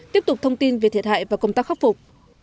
tiếp tục thông tin về thiệt hại và công tác khắc phục